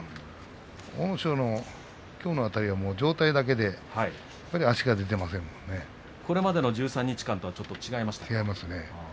阿武咲のきょうのあたりはもう上体だけでこれまでの１３日間と違いましたね。